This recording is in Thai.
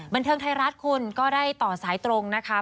บันเทิงไทยรัฐคุณก็ได้ต่อสายตรงนะคะ